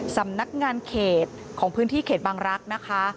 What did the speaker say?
สำนักงานเขตของพื้นที่เขตบางรักษ์นะคะ